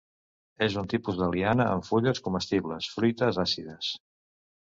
És un tipus de liana amb fulles comestibles, fruites àcides.